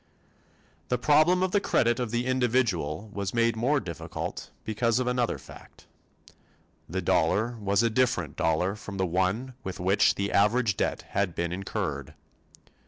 The problem of the credit of the individual was made more difficult because of another fact. The dollar was a different dollar from the one with which the average debt had been incurred.